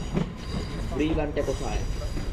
ব্রি ইভান্টে কোথায়?